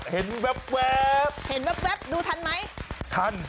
เห็นแว๊บดูทันไหมทัน